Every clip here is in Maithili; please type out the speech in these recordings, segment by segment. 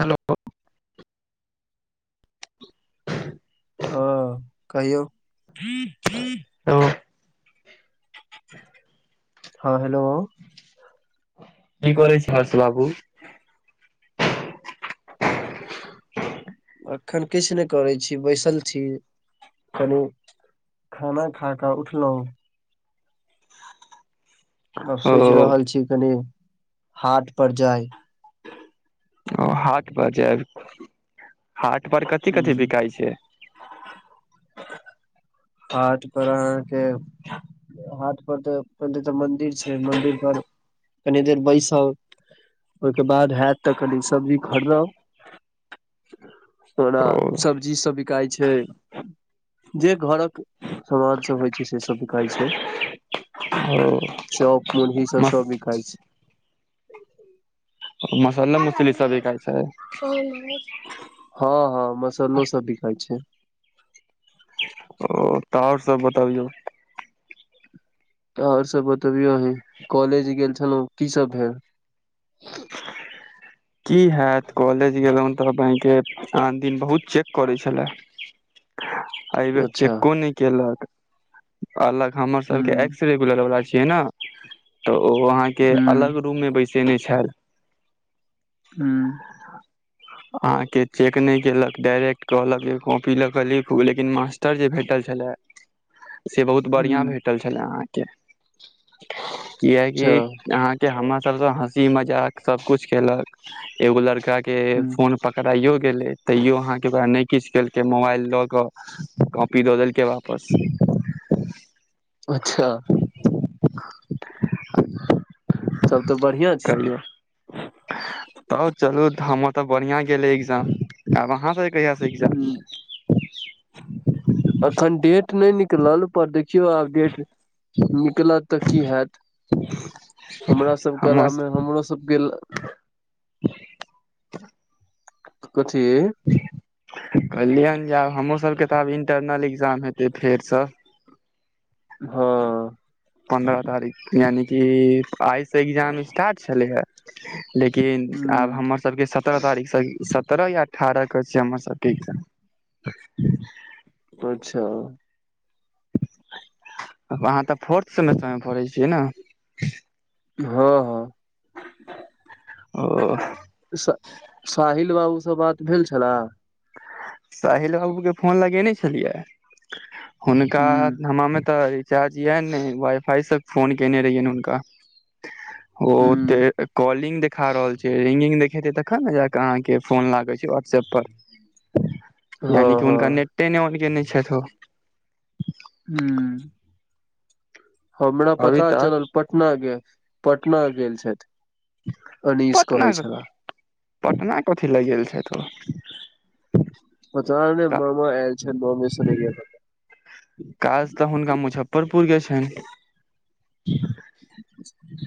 हेलो [unintelligible] हँ कहियौ ओ हँ हेलो की करै छै हर्ष बाबू एखन किछु नहि करैत छी बैसल छी कनि खाना खा कऽ उठलहुँ अब सोचि रहल ओ छी कनि हाट पर जाय ओ हाट पर जायब हाट पर कथी ह कथी बिकाइ छै हाट पर अहाँके हाट पर तऽ पहिले तऽ मदिर छै मंदिर पर कनी देर बैसब ओहिके बाद हयत तऽ कनि सब्जी खरीदब ओना ओ सब्जी सब बिकााय छै जे घरक समान सब होइ छै से सब बिकाइ छै ओ चौक मन ही सब मस सब बिकाइ छै मसालला मसली सब बिकाय छैय हँ हँ मसाल् सब बिकाइ छै ओ तऽ आओर सब बतबियौ आओर सब बतबियो अहीं कॉलेज गेल छलहुँ की सब भेल की हैत कॉलेज गेलहु तऽ बनेके आन दिन बहुत चेक करै छले एहि बेर अच्छा चेकको नहि केलक अलग हमर सबके हूँ एक्स रेगुलर वालला छियै ने तऽ ओ अहाँके हूँ अलग रूम मे बैसेने छल हँ अहाँके चेक नहि केलक डायरेक्ट कहलको कि ल क लिखू लेकिन मास्टर जे भेटल छले से बहुत बढ़िया हूँ भेटल छल अच्छा कियि अह हमर सब हँसी मजाक कुछ केलक एगो लड़का कें हूँ फोन पकड़ाइयो गेलै तैो अहाँके ओरा नहि किछु कयेलकै मोबाइल लऽ कऽ कॉपी दऽ देलके वापस अच्छा त तऽ बढ़िआं छै धनिाद [inaudible] तब चलू हमर तऽ बढ़िया गेले एग्जाम आब अहाँ सब हू अखन डेट नहि निकलल पर देखियौ आब डेट निकलत तऽ की होत हमरा सभ हमर कलामे हमरो सबके कथी कहललियनि जे आब हमर सबके तऽ आब इंटरनल एग्जाम हेते फेर से हँ पंन्द्रह तारीख यानि क आइ से एग्जाम स्टार्ट छले हे लेकिन आब हूँ हमर सबके सत्रह तारीख सत्रह या अठारह के छै हमर सब ठीक अच्छा अहाँ तऽ फोर्थ सेमेस्टर मे पढ़ै छियै ने हँ हँ ओ साहिल बाबूसँ बात भेल छल साहिल बाबू के फोन लगेने छलियै हुनका हूँ हमा मे तऽ रिचार्ज य ने वाई फाई सब फोन केने रहियै ने उनका ओ ते हूँ कॉलिंग देखा रहल छै रिंगिंग देखेते तखन ने जााकऽहके के फोन लागे छै व्हाट्सएप पर हँ यानि कि हुनका हँ नेटे ने ओल के नहि छथि हू हमरा अभी पता तक चलल पटना पटना गेल छथि उनीसके पटना होइ छलाह पटना कथि ल गेल से तऽ छथि ओ पता ने ममाा आऐल छैन मामा संगे गेलाह काज तऽ हुनका मुजफ्फरपुर के छनि [unintelligible]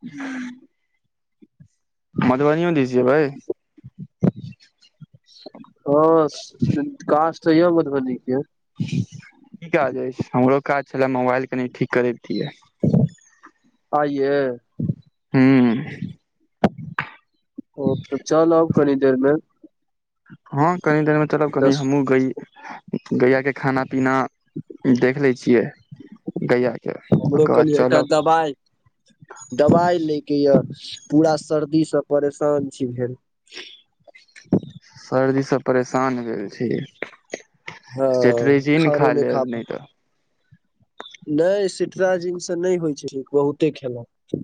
ह [inaudible] मधुबनी यौ दिस जेबैय हँ काज त या मधुबनी के की काज अछि हमरो काज छलै मोबाइल कनि ठीक करेतियै आइे हू ओ तऽ चल आउ कनी देरमे हँ कनी देर मे चलब कनि हमहूँ ग गैयाके खाना पीना देख ले छियै गैया के हमरो ओकर बाद चलब दवाइ ले के ये पूरा सर्दी से परेशान छी भेल सर्दीसँ परेशान भेल छी हँ सेटरेजी ने खा लेब नहि तऽ नहि सिटरा जिन से नहि होइ छै बहुते खेलहुँ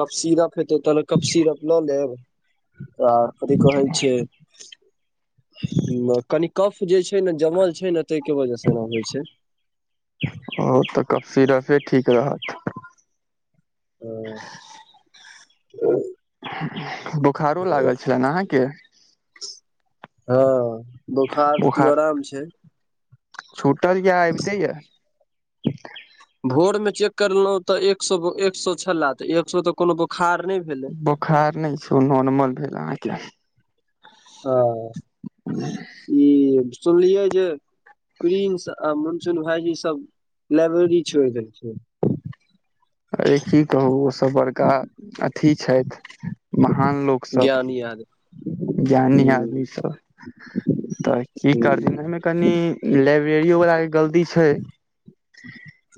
कफसिरप ऐत तरह कफ सी रप लऽ लेब त कथिी कहै छै कनी कफ जे छै ने जमल छै ने ताहिके वजह सेना होइ छै ओ तऽ कफ सीरसे ठीक रहत हँ बोखारो लागल छलनि अहाँके हँ बोखार त आराम छै छूटल की अबीतैय या भोर मे चेक करलहुं तऽ एक स एक सए छल त एक सए तऽ कोनो बोखार नहि भेलै बोखार नहि छ नॉर्मल भेल अहाँके ह ई सुनलियै जे प्रिन्स आ सुन भाायजी सब लाइब्रेरी छोड़ि द छै अरे की कहू ओ सब बड़का अथी छथि महान लोक सब ज्ञानी आद ज्ञानी आदमी सब तऽ की करथिन ओहिमे कनि लाइब्रेरियो वला के गलती छै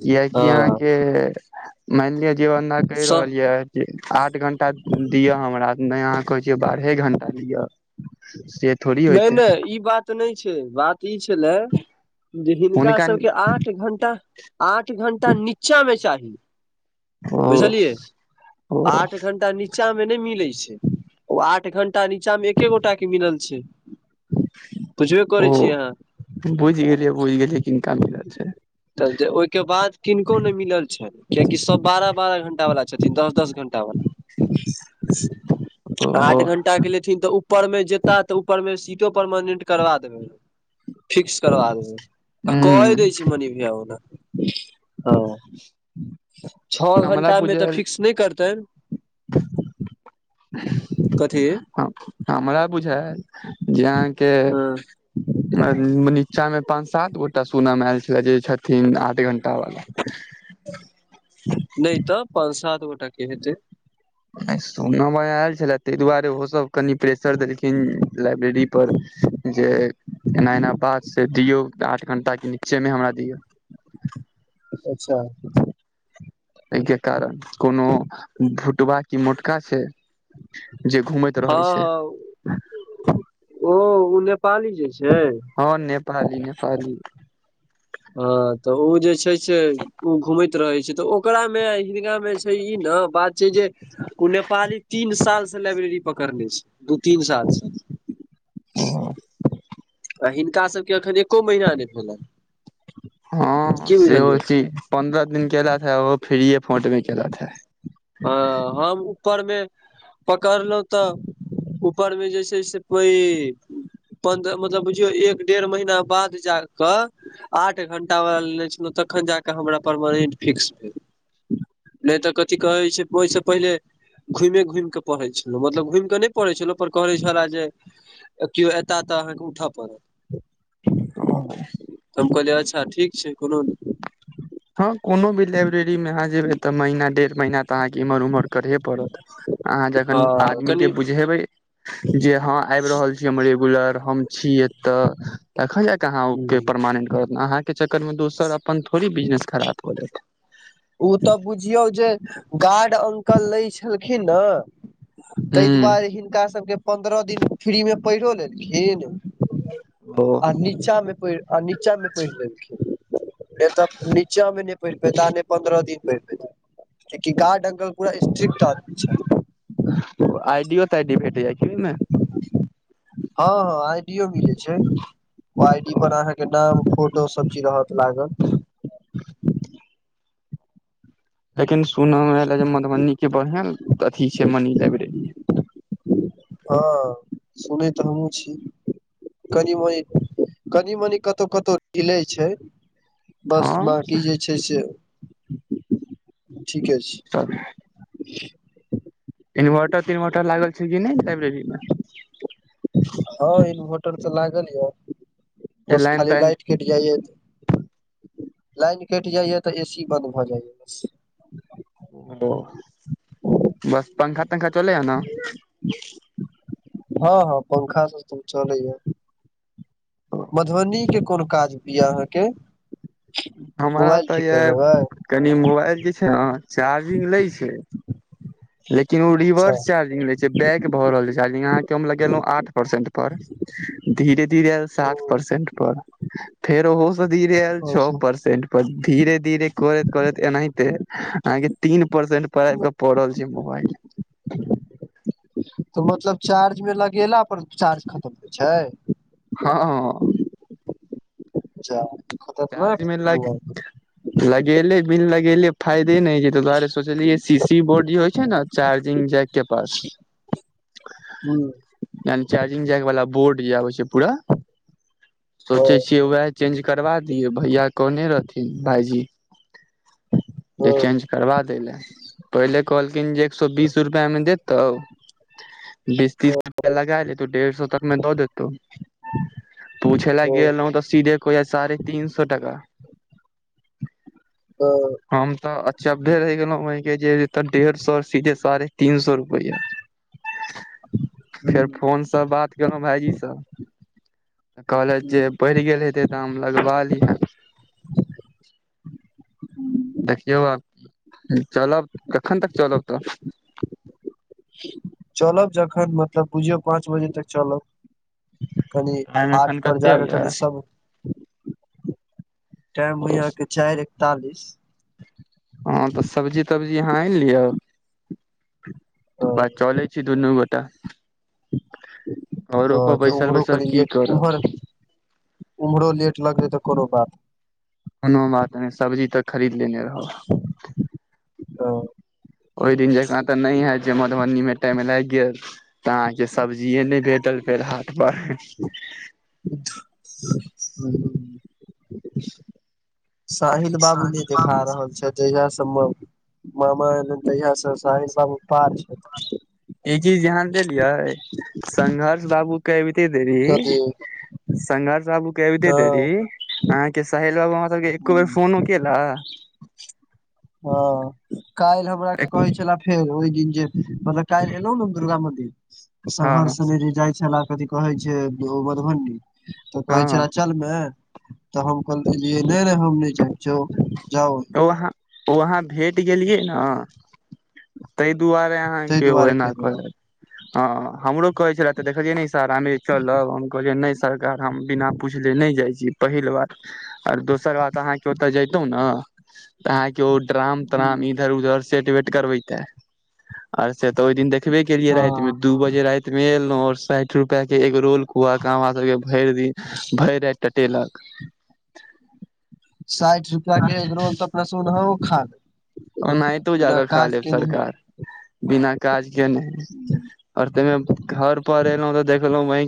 कियकि अहाँ हँ के मान लिअ जे ओहिना कहि स रहल ये जे आठ घंटा दिअ हमरा नहि अहाँ कहै छियै बारहे घण्टा दिअ से थोड़ी नहि होयते नहि ई बात नहि छै बात ई छेलै जे हिनका हुनका सभके आठ घंटा आठ घण्टा नीचाँमे चाही ओ बुझलियै ओ आठ घंटा घंटा नीचा मे नहि मिलै छै ओ आठ घंटा नीचा मे एके गोटा के मिलल छै बुझबे ओ करै छियै अहाँ बुझि गेलियै बुझि गेलियै किनका मिलल छै तब जे ओहिके बाद किनको नहि मिलल छनि कियकि सब बारह बारह घंटा बाला छथिन दस दस घंटा बाला [inaudible] ओहो आठ घण्टा के लेथिन तऽ ऊपर मे जेता तऽ ऊपर मे सीटो परमानेन्ट करबा देबै फिक्स करबा देबै आ कहि दै हूँ छै मनि भैया ओना हँ छओ हमरा घण्टा मे तऽ बुझायल फिक्स नहि करतैन [inaudible] कथी हमरा बुझायल जे अहाँके हँ नीचा मे पांच सात गोटा सुनमे आयल छले जे छथिन आठ घंटा नहि तऽ पाँच सात गोटा के हेतै नै सुनऽ मे आयल छले ताहि दुआरे ओहोसभ कनि प्रेशर देलखिन लाइब्रेरी पर जे एना एना बात से दियो आठ घंटा के नीचे मे हमरा दिय अच्छा एहिके कारण कोनो भुटबा की मोटका छै जे घूमैत हँ रहै छै हँ ओ उ नेपाली जे छै हँ नेपाली नेपाली हँ तऽ उ जे छै से उ घुमैत रहै छै तऽ ओकरा मे आ हिनका मे छै ई ने बात छै जे उ नेपाली तीन सालसँ लाइब्रेरी पकड़ने छै दू तीन सालसँ आ हिनका सबके अखन एको महीना नहि भेलनि हँ की सेहो बुझलियै चीज पन्द्रह दिन केलथि है ओ फ्रीए फोंट मे केलथि है हँ हम ऊपर मे पकड़लहुँ तऽ ऊपरमे जे छै से कोइ पन्द्रह मतलब बुझियौ एक डेढ़ महीना बाद जा कऽ आठ घंटा वला लेने छलहुँ तखन जा कऽ हमरा परमानेंट फिक्स भेल नहि तऽ कथी कहै छै ओहिसँ पहिले घुमि घुमि कऽ पढ़ै छलहुँ मतलब घुमि कऽ नहि पढ़ै छलहु पर कहै छले जे आ कियो एताह तऽ अहाँके उठय पड़त ओ त हम कहलियै अच्छा ठीक छै कोनो नहि हँ कोनो भी लाइब्रेरी मे अहाँ जेबै तऽ महीना डेढ़ महीना तऽ अहाँके इम्हर उम्हर करहे परत अहाँ आ जखन आदमी कनि के बुझेबै जे हँ आबि रहल छी हमर रेगुलर हम छी एत तखन जा कऽ अहाँ के उ परपरमानेन्ट करत न अहाँ के चक्करमे दोसर अपन थोड़ी बिजनेस खराब कऽ लेत ओ तऽ बुझियौ जे गार्ड अंकल लै छलखिन ने ताहि हूँ दुआरे हिनका सबके पन्द्रह दिन फ्री मे पढ़ियो लेलखिन आ ओ नहि नहि, नीचामे पढ़ि लेलखिन नहि तऽ नीचामे नहि पढ़ि पएत। पन्द्रह दिन बढ़ि गेलि, गार्ड अंकल पूरा स्ट्रिक्ट आदमी छथि। आइडियो तऽ आइडी भेटि जाइ छै, बुझलहुँ ने? हँ हँ, आईडी भेटै छै। ओ आईडीपर अहाँके नाम, फोटो सभ चीज रहत। लाग [unintelligible] लेकिन सुनऽ मेले जे मधुबनीके बढ़िया अथी छै, मनी लाइब्रेरी। हँ सुनैत तऽ हमहुँ छी। कनि कनि, कनी कनी कतहु कतहु हिलै छै। बस हँ बाकी जे छै से ठीकै छै। सब ह इनभर्टर विनभर्टर लागल छै कि नहि लाइब्रेरीमे? हँ, इन्वर्टर तऽ लागल यऽ जे बस लाइन खाली ताइन लाइट। कटि जाइया, लाइन कटि जाइया तऽ एसी बन्द भऽ जाइया, बस। ओ, बस पंखा तंखा चलै हँ ने? हँ, हँ, पंखासँ तऽ चलै छै। मधुबनीके कोन काजपर अहाँके हमरा मोबाइल तऽ ठीक ये कऽ देतै? कनि मोबाइल जे छै ने, चार्जिंग लै छै। लेकिन ओ अच्छा रिभर्स चार्जिंग लै छै, बैटरी घटि रहल छै। अहाँके हम लगेलहुँ, आठ प्रतिशत पर। धीरे धीरे सात ओ परसेंट पर। फेर ओहो सही छै तऽ परसेंट। पर धीरे धीरे करैत करैत एखन तीन परसेंटपर आबि गेल छै। ब तऽ मतलब चार्जमे लगेलापर चार्ज बढ़बाक जगह घटैत छै। हँ ह अच्छा खतरनाक चार्जमे हूँ लगेले, बिल लगेले फायदा नहि जे। ताहि दुआरे सोचलियै, सीसी बोर्ड जे होइ छै ने, चार्जिंग जैकक पास। हू यानी चार्जिंग जैकवाला बोर्ड जे आबै छै, पूरा ओकरे सोचै हँ छी अहाँ? चेंज करबा दियै, भैया कहने रहथिन भायजी, जे हँ चेंज। करबा देलहुँ, पहिले कहलखिन जे एक सए हँ बीस रुपैयामे देतौ। बीस तीस रुपैआ लगा लेत तऽ डेढ़ सए तकमे दऽ देतौ। पूछि लेल रहौ तऽ सीधे कहै साढ़े तीन सए टाका। ह हम तऽ चौंकऽ कऽ रहि गेलहुँ, जे ढेर सए सीधे साढ़े तीन सए रुपैआ, फेर हूँ फोनसँ बात। हँ भाईजी, सभ कॉलेज हूँ पढ़ि गेल हेतै तऽ हम लगबा लीहे। देखियौ, आब चलब, कखन तक चलब तऽ। चलब, जखन मतलब बुझियौ पाँच बजे तक चलब। कनि टाइम एखन हाटपर कते जा कऽ, होइया कनि सभ टाइम होयके चारि एकतालिस। हँ तऽ सब्जी तब्जी अहाँ आनि लिअ। ह तऽ बऽ, चलै छी दुनू गोटा। घरो पर हँ, जे बैसल उमेरो बैसल करि की लिअ, करब उमेर। उम्हरो लेट लगि जायत तऽ कोनो बात नहि। कोनो बात नहि सब्जी तऽ, खरीद लेने रहौ। ह ओहि दिन जकाँ तऽ नहि होइ जे मधुबनीमे टाइम लागि गेल। तऽ अहाँके सब्जिए नहि भेटल फेर हाट पर ह [inaudible] ह [inaudible] साहिल बाबू नहि देखा रहल छथि जहिया सबमे मामा एलनि तहिया सँ साहिल बाबू पार छथि ई चीज ध्यान देलियै संघर्ष बाबू के अबिते देरी कथी संघर्ष बाबू के अबिते देरी हँ अहाँ के साहिल बाबू हमासके एको बेर फोन केेला हँ काल्हि हमरा कहै छले फेर ओहि दिन जे मतलब काल्हि एलहु ने दुर्गा मदिर सब हर हँ सने जे जाइ छले कथी कहै छै मधुबनी तऽ कहै छले चलमे तऽ हम कहलियनि नहि नहि हम नहि जेब वहाँ वहाँ भेट गेलियै ने तहि दुआरे ताहि अहाँके ओ दुआरे एना कहि देलक। करत हँ हमरो कहै छलै तऽ देखलियै नै इसारा मे जे चलब हम कहलियै नहि सर सरकार हम बिना पूछले नहि जाय छी पहिल बात आओर दोसर बात त अहाँ के ओते जैतौं ने त अहाँ के ओ ड्राम त्राम इधर उधर सेट वेट करबे आर से तऽ ओहि दिन देखबे केलियै हँ राति मे दू बजे राति मे एलहुँ ओर साइट रुपैया के एगरोल खुआ क हमरा सबके भरि दिन भरि राति खटेलक साठि रुपैया के एगरोल तऽ अपनासब ओनाहो खा लेब ओनाहितो जाकऽ खा लेब सरकार बिना काज केनहे आओर तहिमे घर पर एलहुँ तऽ देखलौं बहींके